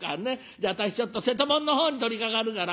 じゃあ私ちょっと瀬戸物の方に取りかかるから」。